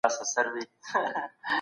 که ځوانان کار وکړي، نو فقر ورکيږي.